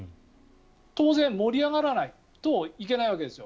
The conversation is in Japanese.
当然盛り上がらないといけないわけですよ。